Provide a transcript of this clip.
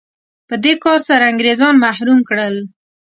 په دې کار سره انګرېزان محروم کړل.